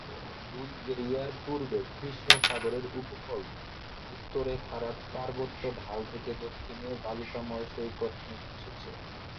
বুলগেরিয়ার পূর্বে কৃষ্ণ সাগরের উপকূল উত্তরে খাড়া পার্বত্য ঢাল থেকে দক্ষিণে বালুকাময় সৈকতে নেমে এসেছে।